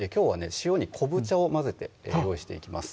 塩に昆布茶を混ぜて用意していきます